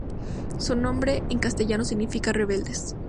Su nombre en castellano significa "Rebeldes".